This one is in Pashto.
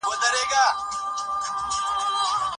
انسانان باید د یو بل سره قربت احساس کړي.